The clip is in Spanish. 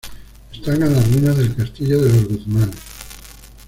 Destacan las ruinas del Castillo de los Guzmanes.